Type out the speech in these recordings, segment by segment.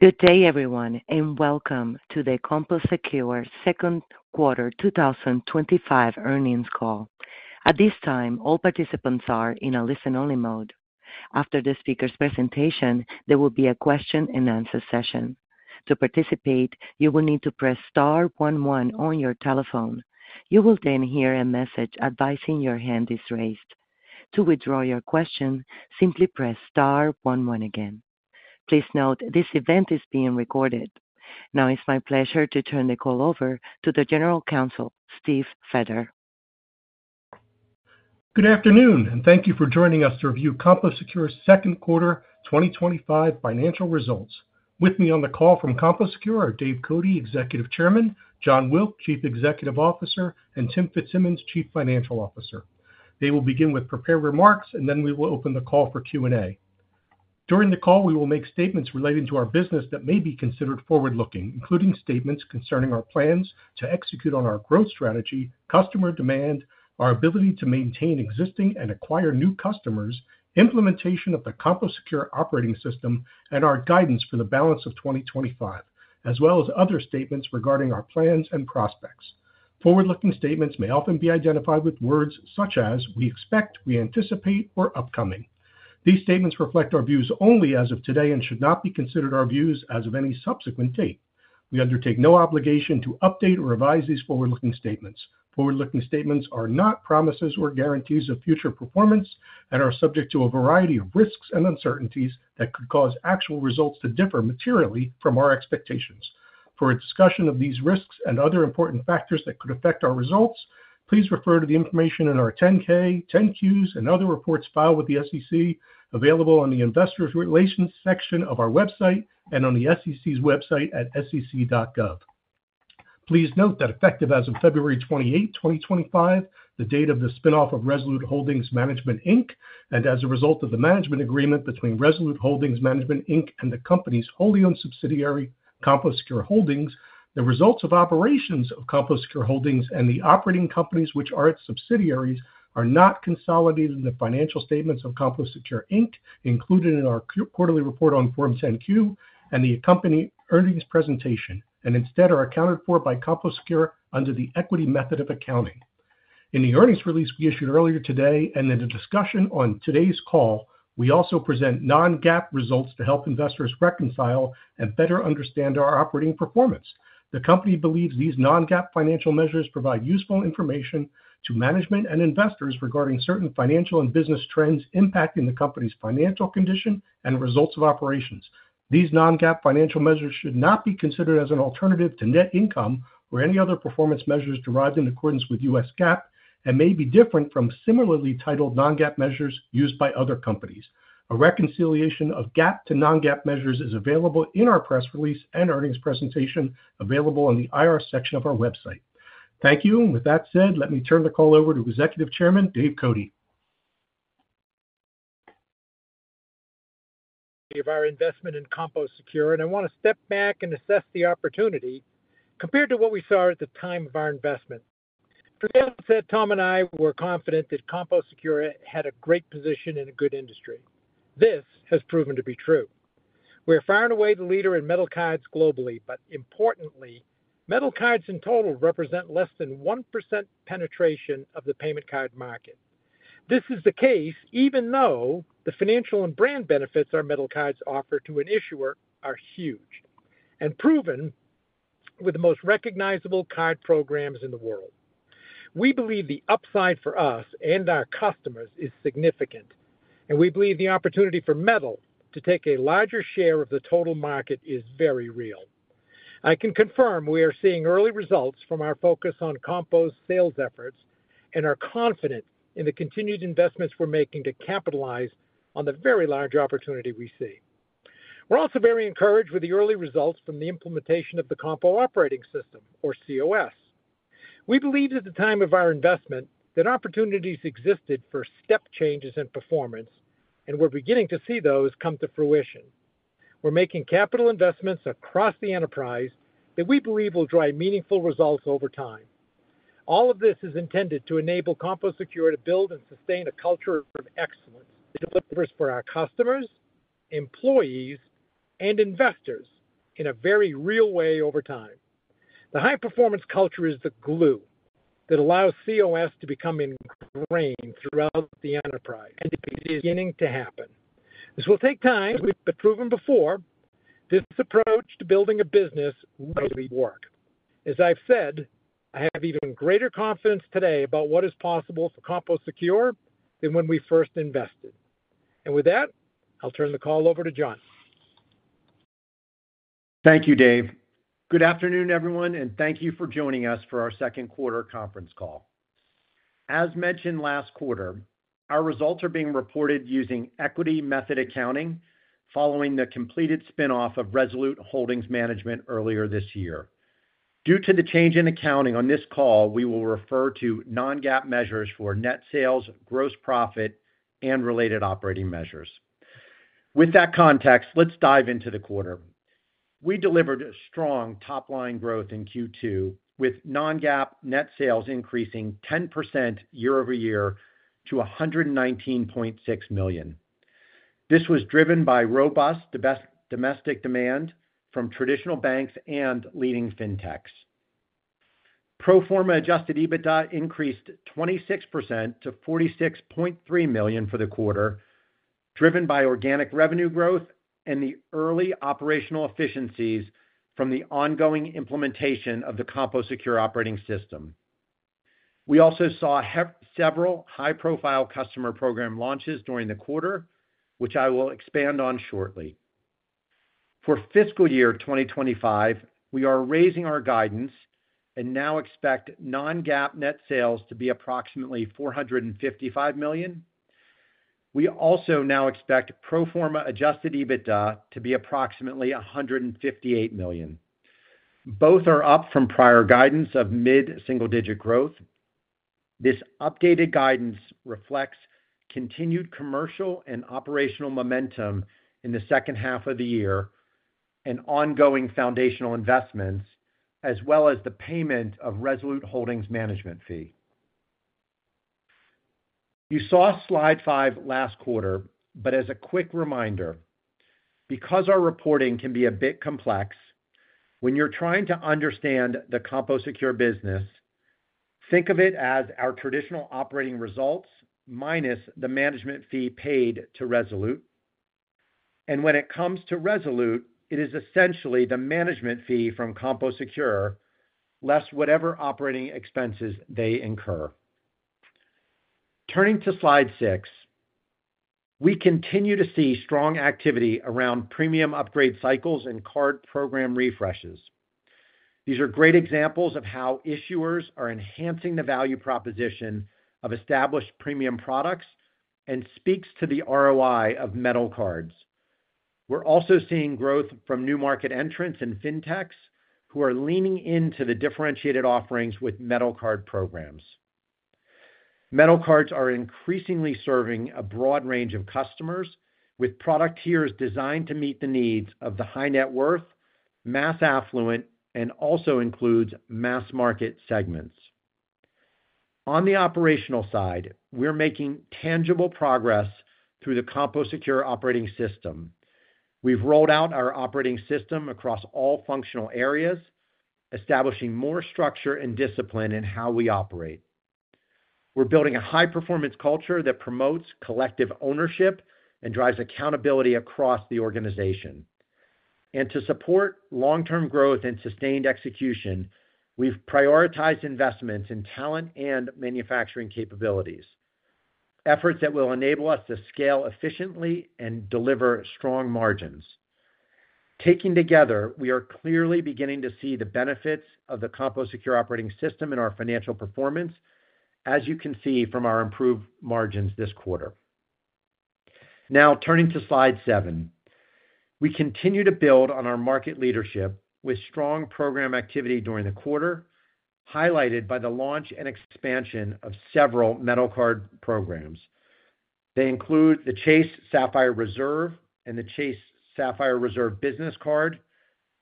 Good day everyone and welcome to the CompoSecure Second Quarter 2025 Earnings Call. At this time all participants are in a listen-only mode. After the speakers' presentation there will be a question and answer session. To participate you will need to press star one one on your telephone. You will then hear a message advising your hand is raised. To withdraw your question, simply press star one one again. Please note this event is being recorded. Now, it's my pleasure to turn the call over to the General Counsel, Steven Feder. Good afternoon and thank you for joining us to review CompoSecure's Second Quarter 2025 Financial Results. With me on the call from CompoSecure are David Cote, Executive Chairman, Jon Wilk, Chief Executive Officer, and Timothy Fitzsimmons, Chief Financial Officer. They will begin with prepared remarks and then we will open the call for Q&A. During the call we will make statements relating to our business that may be considered forward-looking, including statements concerning our plans to execute on our growth strategy, customer demand, our ability to maintain existing and acquire new customers, implementation of the CompoSecure Operating System, and our guidance for the balance of 2025, as well as other statements regarding our plans and prospects. Forward-looking statements may often be identified with words such as we expect, we anticipate, or upcoming. These statements reflect our views only as of today and should not be considered our views as of any subsequent date. We undertake no obligation to update or revise these forward-looking statements. Forward-looking statements are not promises or guarantees of future performance and are subject to a variety of risks and uncertainties that could cause actual results to differ materially from our expectations. For a discussion of these risks and other important factors that could affect our results, please refer to the information in our 10-K, 10-Qs, and other reports filed with the SEC, available on the Investor Relations section of our website and on the SEC's website at SEC.gov. Please note that effective as of February 28th, 2025, the date of the spinoff of Resolute Holdings Management, Inc., and as a result of the management agreement between Resolute Holdings Management, Inc. and the Company's wholly owned subsidiary CompoSecure Holdings, the results of operations of CompoSecure Holdings and the operating companies which are its subsidiaries are not consolidated in the financial statements of CompoSecure, Inc. included in our quarterly report on Form 10-Q and the accompanying earnings presentation and instead are accounted for by CompoSecure under the equity method of accounting in the earnings release we issued earlier today and in the discussion on today's call. We also present non-GAAP results to help investors reconcile and better understand our operating performance. The Company believes these non-GAAP financial measures provide useful information to management and investors regarding certain financial and business trends impacting the Company's financial condition and results of operations. These non-GAAP financial measures should not be considered as an alternative to net income or any other performance measures derived in accordance with U.S. GAAP and may be different from similarly titled non-GAAP measures used by other companies. A reconciliation of GAAP to non-GAAP measures is available in our press release and earnings presentation available on the IR section of our website. Thank you. With that said, let me turn the call over to Executive Chairman D Cote. Our investment in CompoSecure and I want to step back and assess the opportunity. Compared to what we saw at the time of our investment, Tom and I were confident that CompoSecure had a great position in a good industry. This has proven to be true. We are far and away the leader in metal cards globally, but importantly, metal cards in total represent less than 1% penetration of the payment card market. This is the case even though the financial and brand benefits our metal cards offer to an issuer are huge and proven with the most recognizable card programs in the world. We believe the upside for us and our customers is significant and we believe the opportunity for metal to take a larger share of the total market is very real. I can confirm we are seeing early results from our focus on Compo's sales efforts and are confident in the continued investments we're making to capitalize on the very large opportunity we see. We're also very encouraged with the early results from the implementation of the Compo Operating System or COS. We believed at the time of our investment that opportunities existed for step changes in performance and we're beginning to see those come to fruition. We're making capital investments across the enterprise that we believe will drive meaningful results over time. All of this is intended to enable CompoSecure to build and sustain a culture of excellence for our customers, employees, and investors in a very real way over time. The high performance culture is the glue that allows COS to become ingrained throughout the enterprise and it is beginning to happen. This will take time. We've proven before this approach to building a business may work. As I've said, I have even greater confidence today about what is possible for CompoSecure than when we first invested and with that I'll turn the call over to Jon. Thank you, Dave. Good afternoon, everyone, and thank you for joining us for our second quarter conference call. As mentioned last quarter, our results are being reported using equity method accounting following the completed spinoff of Resolute Holdings Management earlier this year. Due to the change in accounting, on this call we will refer to non-GAAP measures for net sales, gross profit, and related operating measures. With that context, let's dive into the quarter. We delivered strong top line growth in Q2 with non-GAAP net sales increasing 10% year-over-year to $119.6 million. This was driven by robust domestic demand from traditional banks and leading fintechs. Pro forma adjusted EBITDA increased 26% to $46.3 million for the quarter, driven by organic revenue growth and the early operational efficiencies from the ongoing implementation of the CompoSecure Operating System. We also saw several high profile customer program launches during the quarter, which I. Will expand on shortly. For fiscal year 2025, we are raising our guidance and now expect non-GAAP net sales to be approximately $455 million. We also now expect pro forma adjusted EBITDA to be approximately $158 million. Both are up from prior guidance of mid single digit growth. This updated guidance reflects continued commercial and operational momentum in the second half of the year and ongoing foundational investments as well as the payment of the Resolute Holdings Management fee. You saw Slide five last quarter, but as a quick reminder, because our reporting can be a bit complex when you're trying to understand the CompoSecure business, think of it as our traditional operating results minus the management fee paid to Resolute. When it comes to Resolute, it is essentially the management fee from CompoSecure less whatever operating expenses they incur. Turning to slide six, we continue to see strong activity around premium upgrade cycles and card program refreshes. These are great examples of how issuers are enhancing the value proposition of established premium products and speaks to the ROI of metal cards. We're also seeing growth from new market entrants and fintechs who are leaning into the differentiated offerings with metal card programs. Metal cards are increasingly serving a broad range of customers with product tiers designed to meet the needs of the high net worth, mass affluent, and also includes mass market segments. On the operational side, we're making tangible progress through the CompoSecure Operating System. We've rolled out our operating system across all functional areas, establishing more structure and discipline in how we operate. We're building a high performance culture that promotes collective ownership and drives accountability across the organization. To support long term growth and sustained execution, we've prioritized investments in talent and manufacturing capabilities, efforts that will enable us to scale efficiently and deliver strong margins. Taken together, we are clearly beginning to see the benefits of the CompoSecure Operating System in our financial performance as you. can see from our improved margins this quarter. Now turning to Slide seven, we continue to build on our market leadership with strong program activity during the quarter, highlighted by the launch and expansion of several metal card programs. They include the Chase Sapphire Reserve and the Chase Sapphire Reserve Business Card,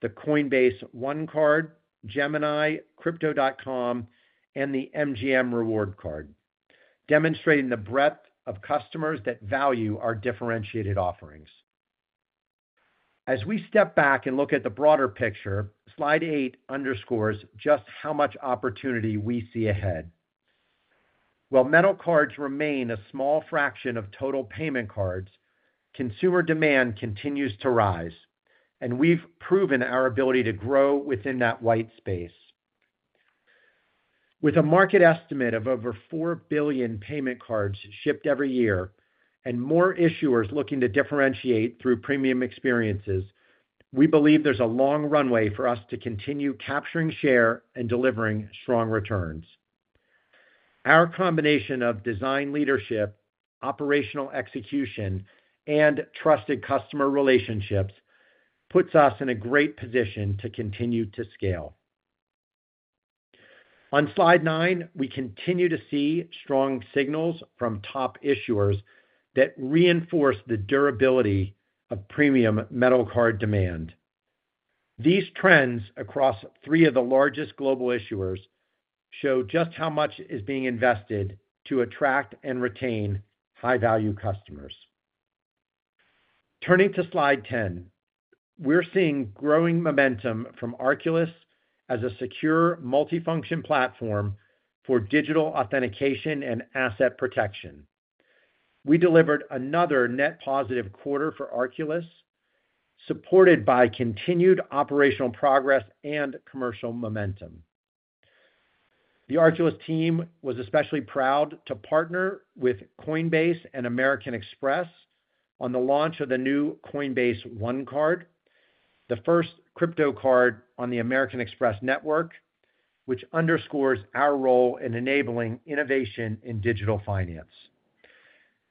the Coinbase One Card, Gemini, Crypto.com, and the MGM Rewards Card, demonstrating the breadth of customers that value our differentiated offerings. As we step back and look at the broader picture, Slide eight underscores just how much opportunity we see ahead. While metal cards remain a small fraction of total payment cards, consumer demand continues to rise, and we've proven our ability to grow within that white space. With a market estimate of over 4 billion payment cards shipped every year and more issuers looking to differentiate through premium experiences, we believe there's a long runway for us to continue capturing share and delivering strong returns. Our combination of design leadership, operational execution, and trusted customer relationships puts us in a great position to continue to scale. On Slide nine, we continue to see strong signals from top issuers that reinforce the durability of premium metal card demand. These trends across three of the largest global issuers show just how much is being invested to attract and retain high value customers. Turning to Slide 10, we're seeing growing momentum from Arculus as a secure, multifunction platform for digital authentication and asset protection. We delivered another net positive quarter for Arculus, supported by continued operational progress and commercial momentum. The Arculus team was especially proud to partner with Coinbase and American Express on the launch of the new Coinbase One Card, the first crypto card on the American Express network, which underscores our role in enabling innovation in digital finance.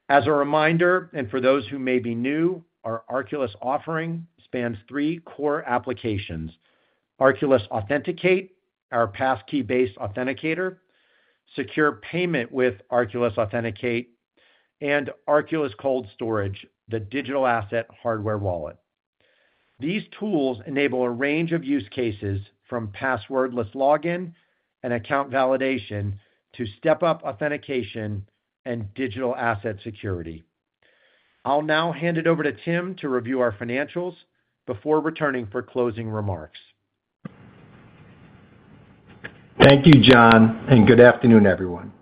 As a reminder, and for those who may be new, our Arculus offering spans three core applications: Arculus Authenticate, our passkey-based authenticator; Secure Payment with Arculus Authenticate; and Arculus Cold Storage, the digital asset hardware wallet. These tools enable a range of use cases from passwordless login and account validation to step-up authentication and digital asset security. I'll now hand it over to Tim to review our financials before returning for closing remarks. Thank you, Jon, and good afternoon, everyone.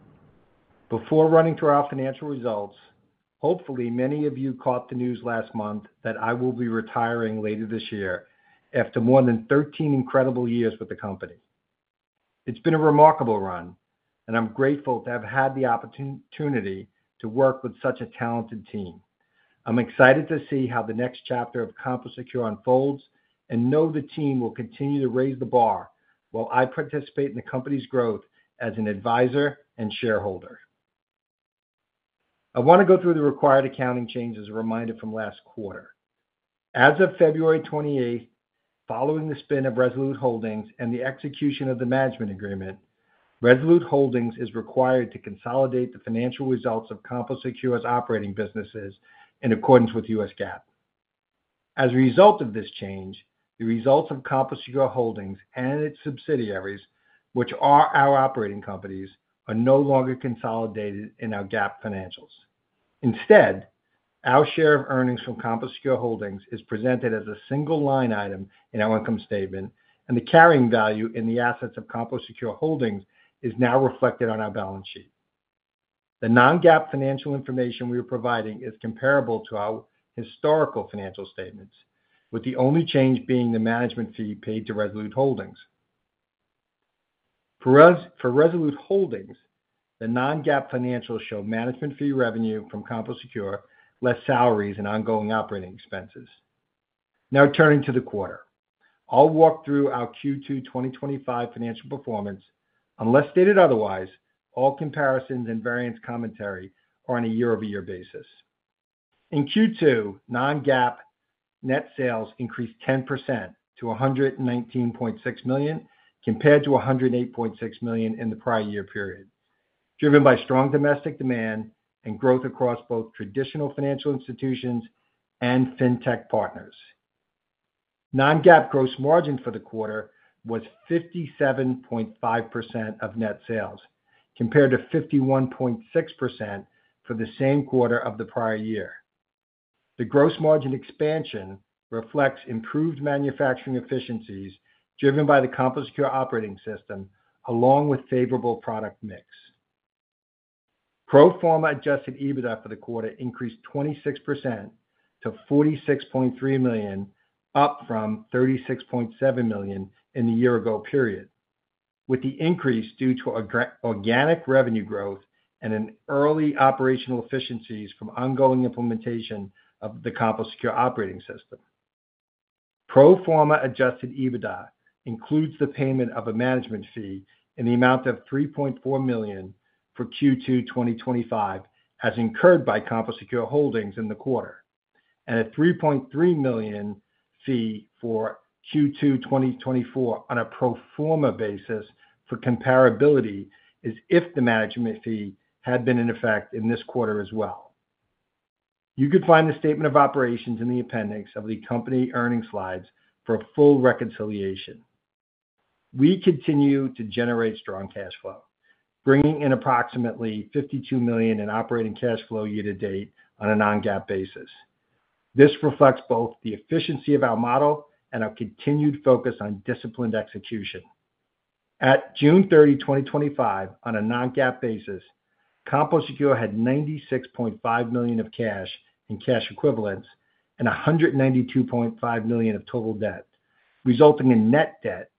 Before running through our financial results, hopefully many of you caught the news last month that I will be retiring later this year after more than 13 incredible years with the company. It's been a remarkable run, and I'm grateful to have had the opportunity to work with such a talented team. I'm excited to see how the next chapter of CompoSecure unfolds and know the team will continue to raise the bar. While I participate in the company's growth as an advisor and shareholder, I want to go through the required accounting change. As a reminder from last quarter, as of February 28th, following the spinoff of Resolute Holdings and the execution of the Management Agreement, Resolute Holdings is required to consolidate the financial results of CompoSecure's operating businesses in accordance with U.S. GAAP. As a result of this change, the results of CompoSecure Holdings and its subsidiaries, which are our operating companies, are no longer consolidated in our GAAP financials. Instead, our share of earnings from CompoSecure Holdings is presented as a single line item in our income statement, and the carrying value in the assets of CompoSecure Holdings is now reflected on our balance sheet. The non-GAAP financial information we are providing is comparable to our historical financial statements, with the only change being the management fee paid to Resolute Holdings. For Resolute Holdings, the non-GAAP financials show management fee revenue from CompoSecure, less salaries and ongoing operating expenses. Now turning to the quarter, I'll walk through our Q2 2025 financial performance. Unless stated otherwise, all comparisons and variance commentary are on a year-over-year basis. In Q2, non-GAAP net sales increased 10% to $119.6 million compared to $108.6 million in the prior year period, driven by strong domestic demand and growth across both traditional financial institutions and fintech partners. Non-GAAP gross margin for the quarter was 57.5% of net sales compared to 51.6% for the same quarter of the prior year. The gross margin expansion reflects improved manufacturing efficiencies driven by the CompoSecure Operating System along with favorable product mix. Pro forma adjusted EBITDA for the quarter increased 26% to $46.3 million, up from $36.7 million in the year ago period, with the increase due to organic revenue growth and early operational efficiencies from ongoing implementation of the CompoSecure Operating System. Pro forma adjusted EBITDA includes the payment of a management fee in the amount of $3.4 million for Q2 2025 as incurred by CompoSecure Holdings in the quarter and a $3.3 million fee for Q2 2024 on a pro forma basis for comparability as if the management fee had been in effect in this quarter as well. You could find the statement of operations in the appendix of the company earnings slides for full reconciliation. We continue to generate strong cash flow, bringing in approximately $52 million in operating cash flow year to date on a non-GAAP basis. This reflects both the efficiency of our model and our continued focus on disciplined execution. At June 30, 2025, on a non-GAAP basis, CompoSecure had $96.5 million of cash and cash equivalents and $192.5 million of total debt, resulting in net debt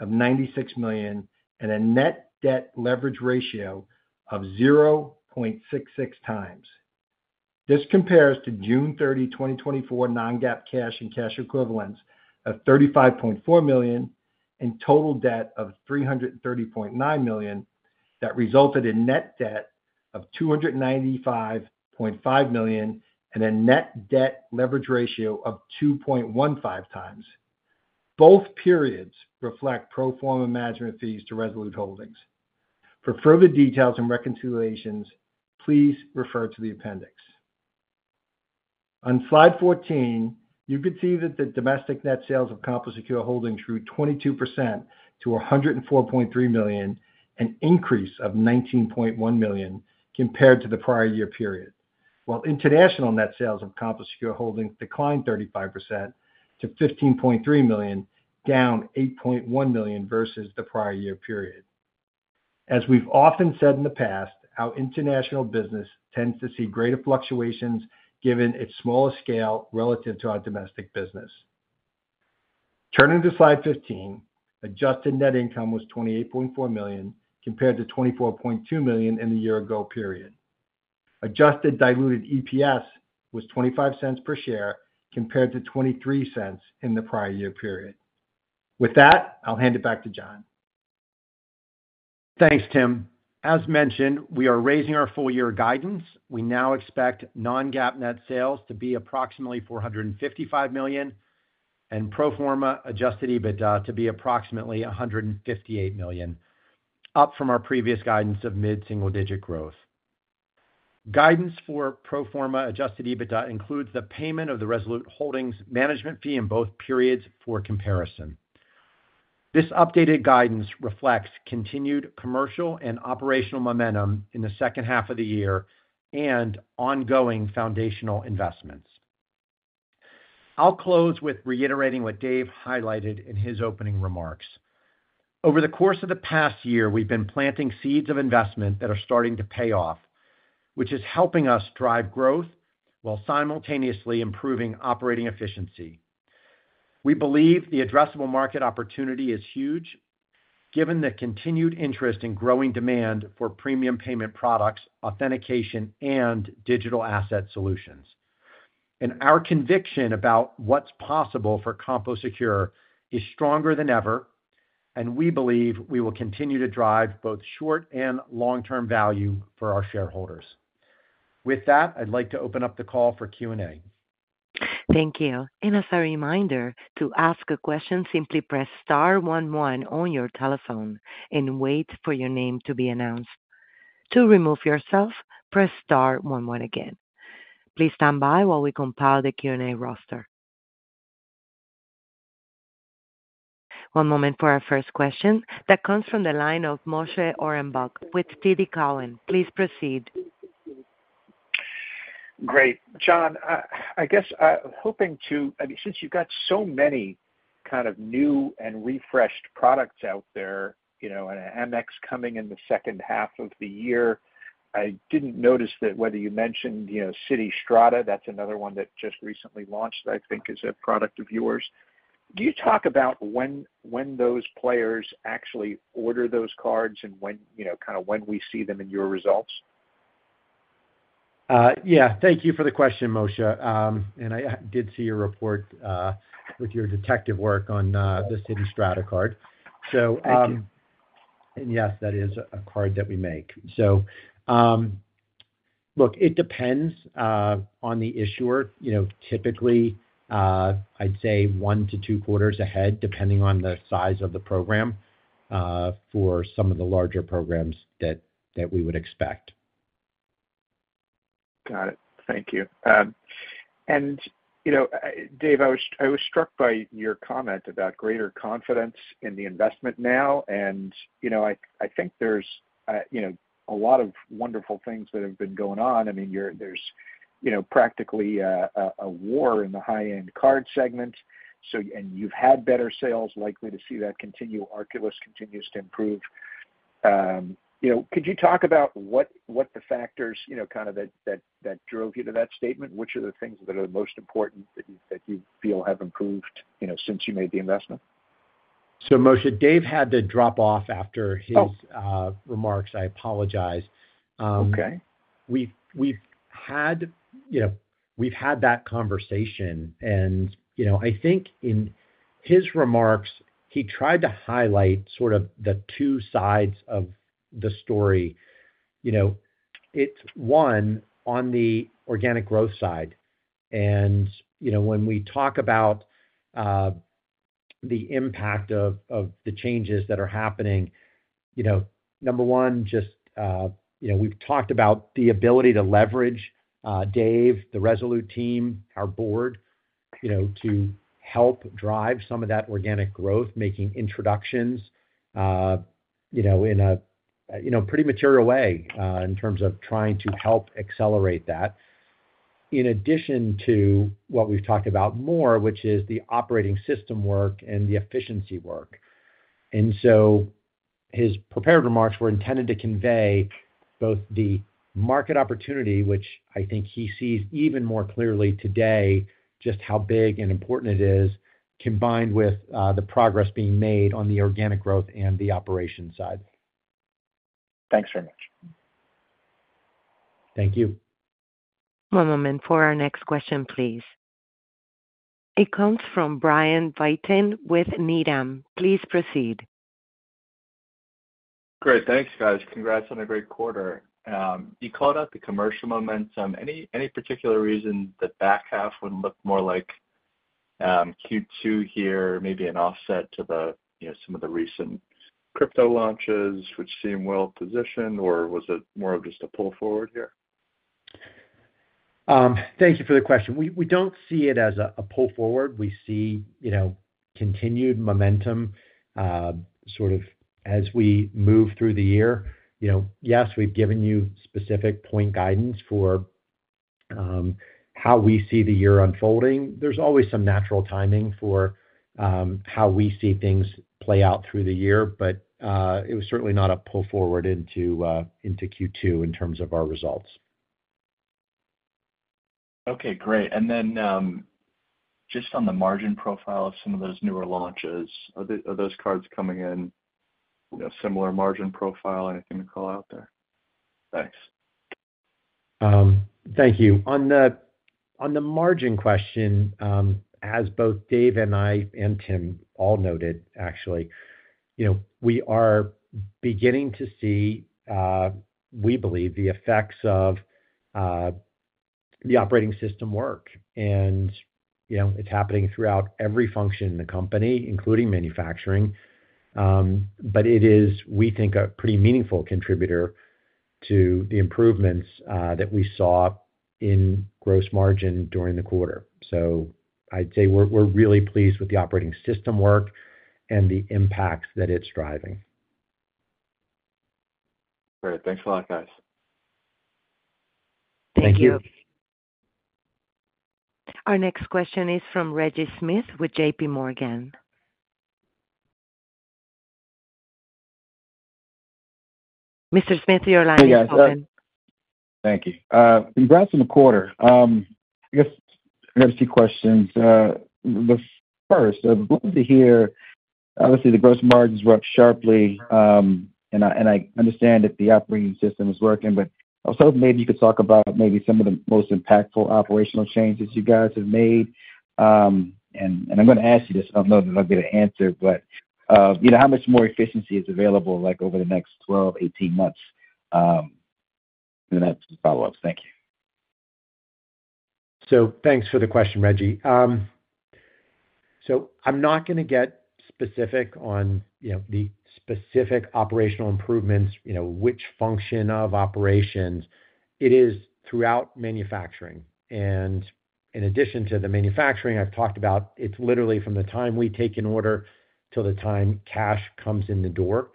of $96 million and a net debt leverage ratio of 0.66x. This compares to June 30, 2024, non-GAAP cash and cash equivalents of $35.4 million and total debt of $330.9 million. That resulted in net debt of $295.5 million and a net debt leverage ratio of 2.15x. Both periods reflect pro forma management fees to Resolute Holdings. For further details and reconciliations, please refer to the appendix on slide 14. You could see that the domestic net. Sales of CompoSecure Holdings grew 22% to $104.3 million, an increase of $19.1 million compared to the prior year period, while international net sales of CompoSecure Holdings declined 35% to $15.3 million, down $8.1 million versus the prior year period. As we've often said in the past, our international business tends to see greater fluctuations given its smaller scale relative to our domestic business. Turning to Slide 15, adjusted net income was $28.4 million compared to $24.2 million in the year ago period. Adjusted diluted EPS was $0.25 per share compared to $0.23 in the prior year period. With that, I'll hand it back to Jon. Thanks, Tim. As mentioned, we are raising our full year guidance. We now expect non-GAAP net sales to be approximately $455 million and pro forma adjusted EBITDA to be approximately $158 million, up from our previous guidance of. Mid single digit growth. Guidance for pro forma adjusted EBITDA includes the payment of the Resolute Holdings management fee in both periods for comparison. This updated guidance reflects continued commercial and operational momentum in the second half of the year and ongoing foundational investments. I'll close with reiterating what Dave highlighted in his opening remarks. Over the course of the past year we've been planting seeds of investment that are starting to pay off, which is helping us drive growth while simultaneously improving operating efficiency. We believe the addressable market opportunity is huge given the continued interest in growing demand for premium payment products, authentication and digital asset solutions, and our conviction about what's possible for CompoSecure is stronger than ever. We believe we will continue to drive both short and long term value for our shareholders. With that, I'd like to open up. The call for Q&A. Thank you. As a reminder, to ask a question, simply press star one one on your telephone and wait for your name to be announced. To remove yourself, press star one one again. Please stand by while we compile the Q&A roster. One moment for our first question. That comes from the line of Moshe Orenbuch with TD Cowen. Please proceed. Great, Jon. I guess hoping to, since you've got so many kind of new and refreshed products out there, you know, and Amex coming in the second half of the year, I didn't notice that whether you mentioned, you know, Citi Strata, that's another one that just recently launched, I think is a product of yours. Do you talk about when those players actually order those cards and when, you know, kind of when we see them in your results? Yeah, thank you for the question, Moshe. I did see your report with your detective work on the Citi Strata card. So. That is a card that we make. It depends on the issuer. Typically, I'd say one to two quarters ahead, depending on the size of the program for some of the larger programs that we would expect. Got it. Thank you. Dave, I was struck by your comment about greater confidence in the investment now. I think there's a lot of wonderful things that have been going on. I mean, there's practically a war in the high end card segment. You've had better sales, likely to see that continue. Arculus continues to improve. Could you talk about what the factors are that drove you to that statement, which are the things that are the most important that you feel have improved since you made the investment. Moshe, Dave had to drop off after his remarks. I apologize. We've had that conversation. In his remarks he tried to highlight sort of the two sides of the story. It's one on the organic growth side. When we talk about the impact of the changes that are happening, number one, we've talked about the ability to leverage Dave, the Resolute team, our board, to help drive some of that organic growth, making introductions in a pretty material way in terms of trying to help accelerate that in addition to what we've talked about more, which is the operating system work and the efficiency work. His prepared remarks were intended to convey both the market opportunity, which I think he sees even more clearly today, just how big and important it is, combined with the progress being made on the organic growth and the operations side. Thanks very much. Thank you. One moment for our next question, please. It comes from Brian Vieten with Needham. Please proceed. Great, thanks guys. Congrats on a great quarter. You called out the commercial momentum. Any particular reason the back half would look more like Q2 here? Maybe an offset to some of the recent crypto launches which seem well positioned, or was it more of just a pull forward here? Thank you for the question. We don't see it as a pull forward. We see continued momentum as we move through the year. Yes. We've given you specific point guidance for how we see the year unfolding. There's always some natural timing for how we see things play out through the year. It was certainly not a pull forward into Q2 in terms of our results. Okay, great. Just on the margin profile of some of those newer launches, are those cards coming in? Similar margin profile. Anything to call out there? Nice. Thank you. On the margin question, as both Dave and I and Tim all noted, we are beginning to see, we believe, the effects of the operating system work and it's happening throughout every function in the company, including manufacturing. It is, we think, a pretty meaningful contributor to the improvements that we saw in gross margin during the quarter. I'd say we're really pleased with the operating system work and the impacts that it's driving. All right, thanks a lot, guys. Thank you. Our next question is from Reginald Smith with JPMorgan. Mr. Smith, you're allowing. Thank you. Congrats on the quarter. I guess the first question here, obviously the gross margins were up sharply and I understand that the operating system is working, but I was hoping maybe you could talk about maybe some of the most impactful operational changes you guys have made. I'm going to ask you this, I don't know if I'll get the answer, but you know, how much more efficiency is available over the next 12, 18 months? I have some follow ups. Thank you. Thank you for the question, Reggie. I'm not going to get specific. On the specific operational improvements, which function of operations it is throughout manufacturing and in addition to. The manufacturing I've talked about. It's literally from the time we take an order till the time cash comes in the door,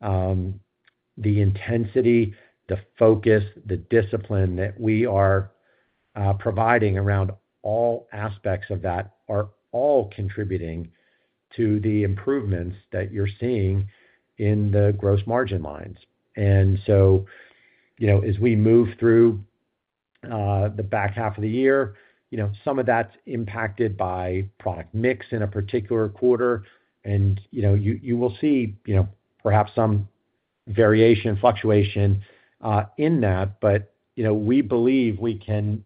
the intensity, the focus, the discipline that we are providing around all aspects of that are all contributing to the improvements that you're seeing in the gross margin lines. As we move through the back half of the year, some of that's impacted by product mix in a particular quarter, and you will see perhaps some variation, fluctuation in that. We believe we can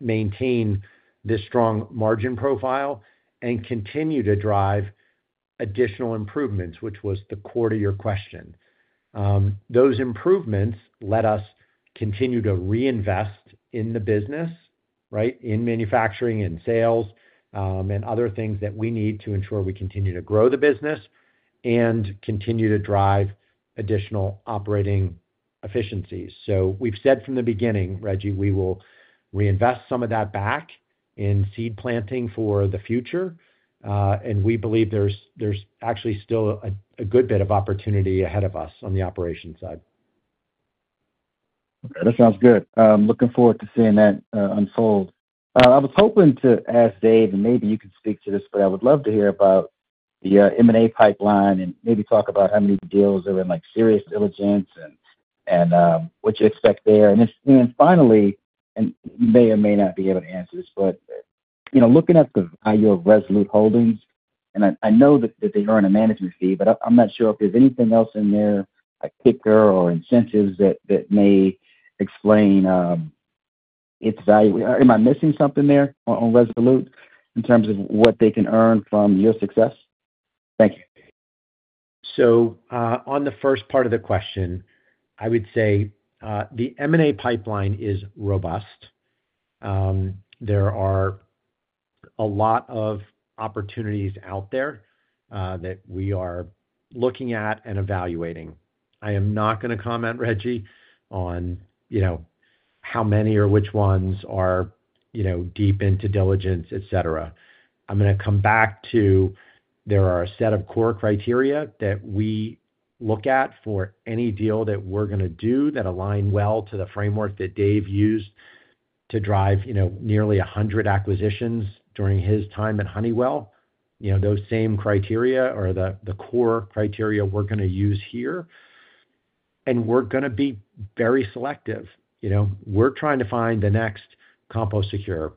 maintain this. Strong margin profile and continue to drive. Additional improvements, which was the core to your question. Those improvements let us continue to reinvest in the business, right? In manufacturing, in sales, and other things that we need to ensure we continue to grow the business and continue to drive additional operating efficiencies. We have said from the beginning, Reggie, we will reinvest some of that back in seed planting for the future. We believe there's actually still a good bit of opportunity ahead of us on the operations side. Okay, that sounds good. Looking forward to seeing that unsold. I was hoping to ask Dave, and maybe you can speak to this, but I would love to hear about the M&A pipeline and maybe talk about how many deals are in serious diligence and what you expect there. If finally, and you may or may not be able to answer this, but you know, looking at the Resolute Holdings, and I know that they earn a management fee, but I'm not sure if there's anything else in there, a kicker or incentives that may explain its value. Am I missing something there on Resolute in terms of what they can earn from your success? Thank you. On the first part of the question, I would say the M&A pipeline is robust. There are a lot of opportunities out there that we are looking at and evaluating. I am not going to comment, Reggie, on how many or which ones are deep into diligence, et cetera. I'm going to come back to there are a set of core criteria that we look at for any deal that we're going to do that align well to the framework that Dave used to drive nearly 100 acquisitions during his time at Honeywell. Those same criteria or the core criteria we're going to use here, and we're. Going to be very selective. We're trying to find the next CompoSecure,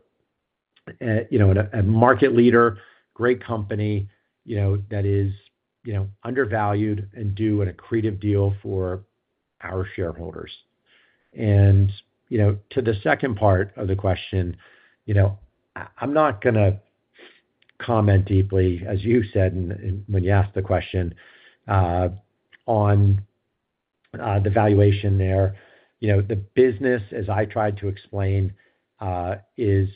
a market leader, great company that is undervalued and do an accretive deal for our shareholders. To the second part of the question, I'm not going to comment deeply, as you said, when you asked the question on the valuation there. You know, the business, as I tried to explain, is pretty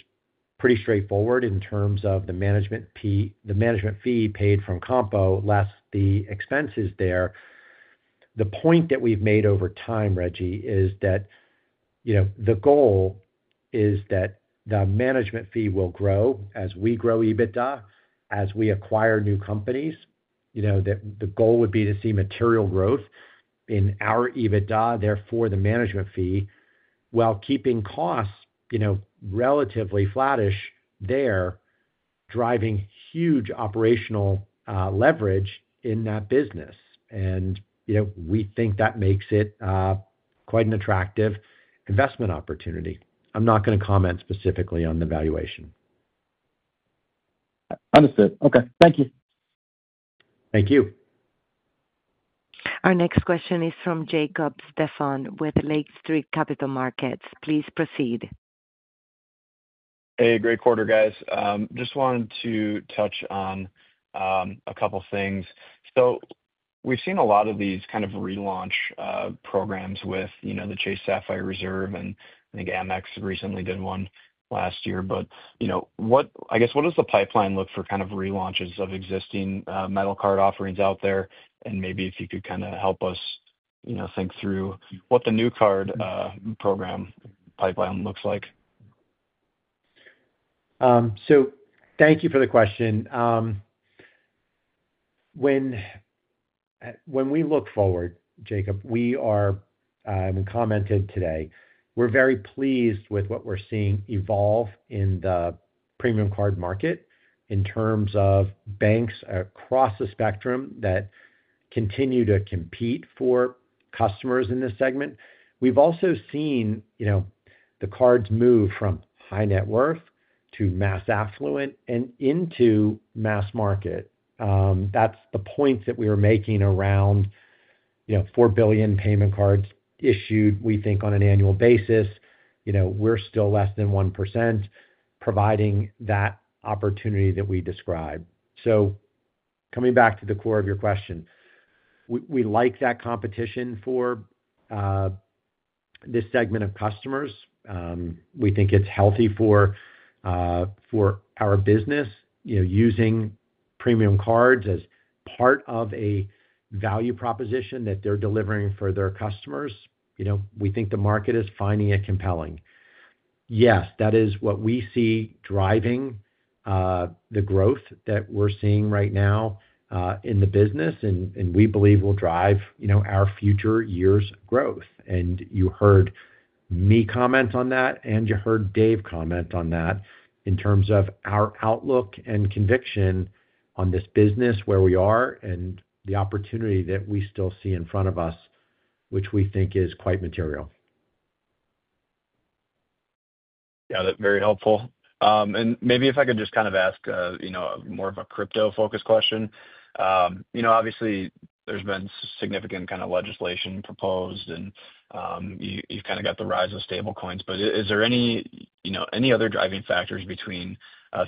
straightforward in terms of the management fee, the management fee paid from Compo less the expenses there. The point that we've made over time, Reggie, is that, you know, the goal is that the management fee will grow as we grow EBITDA, as we acquire new companies. The goal would be to see material growth in our EBITDA, therefore the management fee, while keeping costs relatively flattish, they're driving huge operational leverage in that business. We think that makes it quite an attractive investment opportunity. I'm not going to comment specifically on the valuation. Understood. Okay, thank you. Thank you. Our next question is from Jacob Stephan with Lake Street Capital Markets. Please proceed. Hey, great quarter guys. Just wanted to touch on a couple things. We've seen a lot of these kind of relaunch programs with the Chase Sapphire Reserve and I think Amex is recently did one last year. What does the pipeline look like for relaunches of existing metal card offerings out there, and maybe if you could help us think through what the new card program pipeline looks like. Thank you for the question. When we look forward, Jacob, we are very pleased with what we're seeing evolve in the premium card market in terms of banks across the spectrum that continue to compete for customers in this segment. We've also seen, you know, the cards. Move from high net worth to mass affluent and into mass market. That's the point that we were making around, you know, 4 billion payment cards issued. We think on an annual basis, you know, we're still less than 1% providing that opportunity that we described. Coming back to the core of. Your question, we like that competition for. This segment of customers. We think it's healthy for our business using premium cards as part of a value proposition that they're delivering for their customers. We think the market is finding it compelling. Yes, that is what we see driving the growth that we're seeing right now in the business, and we believe will drive our future years' growth. You heard me comment on that, and you heard Dave comment on that in terms of our outlook and conviction on this business, where we are, and the opportunity that we still see in front of us, which we think is quite material. Yeah, that's very helpful. Maybe if I could just kind of ask, you know, more of a crypto focused question. Obviously there's been significant kind of legislation proposed and you kind of got the rise of stable coins. Is there any other driving factors between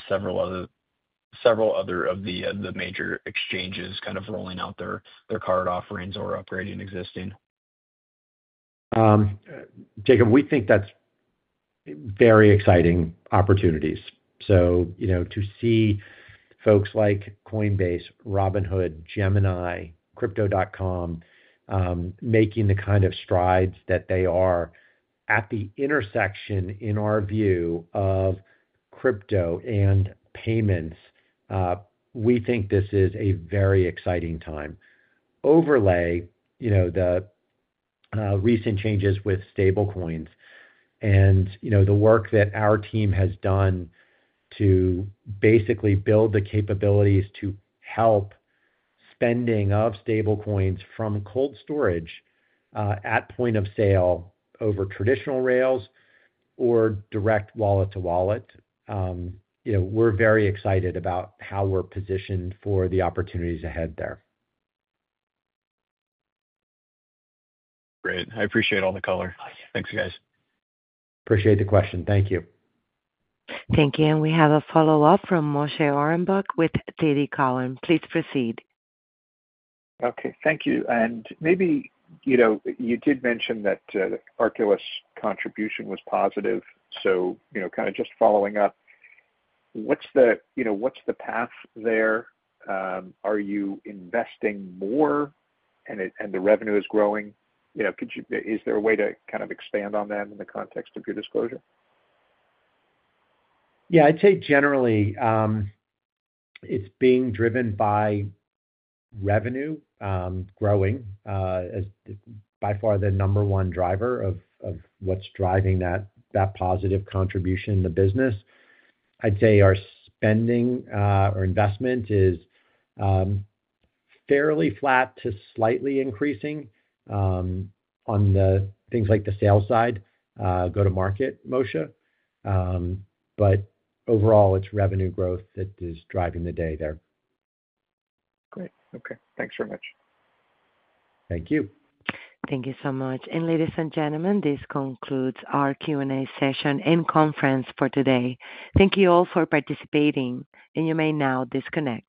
several other of the major exchanges kind of rolling out their card offerings or upgrading existing? We think that's very exciting opportunities. To see folks like Coinbase, Robinhood, Gemini, Crypto.com making the kind of strides that they are at the intersection, in our view, of crypto and payments, we think this is a very exciting time. Overlay the recent changes with stablecoins and the work that our team has done to basically build the capabilities to help spending of stablecoins from cold storage at point of sale over traditional rails or direct wallet to wallet. We're very excited about how we're positioned for the opportunities ahead there. Great. I appreciate all the color. Thanks, guys. Appreciate the question. Thank you. Thank you. We have a follow-up from Moshe Orenbuch with Teddy Collin. Please proceed. Thank you. You did mention that Arculus contribution was positive. Just following up, what's the path there? Are you investing more and the revenue is growing? Could you, is there a way to expand on that in the context of your disclosure? I'd say generally it's being driven. Revenue growing is by far the number one driver of what's driving that positive contribution in the business. I'd say our spending or investment is fairly flat to slightly increasing on things like the sales side, go to market, Moshe. Overall, it's revenue growth that is driving the day there. Great. Okay, thanks very much. Thank you. Thank you so much. Ladies and gentlemen, this concludes our Q&A session and conference for today. Thank you all for participating. You may now disconnect.